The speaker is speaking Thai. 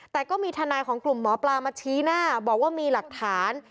แต่ก็มีทนายของกลุ่มหมอปลามาชี้หน้าบอกว่ามีหลักฐาน